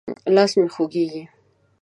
لاس مې خوږېږي.